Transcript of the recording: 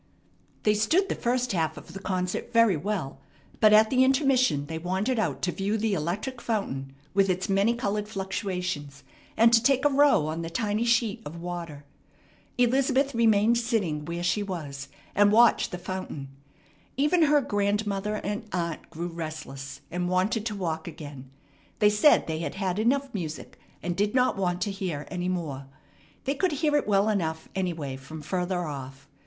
They stood the first half of the concert very well, but at the intermission they wandered out to view the electric fountain with its many colored fluctuations, and to take a row on the tiny sheet of water. Elizabeth remained sitting where she was, and watched the fountain. Even her grandmother and aunt grew restless, and wanted to walk again. They said they had had enough music, and did not want to hear any more. They could hear it well enough, anyway, from further off.